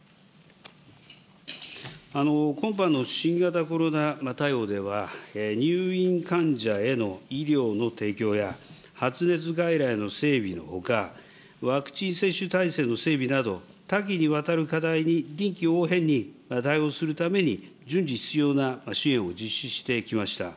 今般の新型コロナ対応では、入院患者への医療の提供や、発熱外来の整備のほか、ワクチン接種体制の整備など、多岐にわたる課題に臨機応変に対応するために、順次必要な支援を実施してきました。